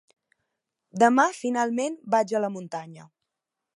Demà finalment vaig a la muntanya.